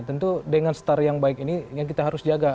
tentu dengan star yang baik ini yang kita harus jaga